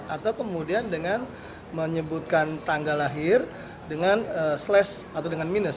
atau kemudian dengan menyebutkan tanggal lahir dengan slash atau dengan minus